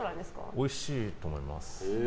おいしいと思います。